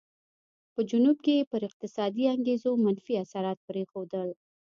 په جنوب کې یې پر اقتصادي انګېزو منفي اثرات پرېښودل.